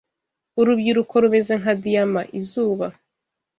Urubyiruko rumeze nka diyama izuba